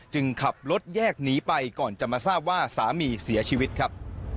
ขับรถแยกหนีไปก่อนจะมาทราบว่าสามีเสียชีวิตครับ